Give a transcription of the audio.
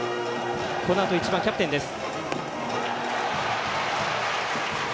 このあと１番、キャプテンです。